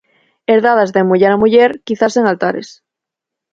Herdadas de muller a muller quizás en altares.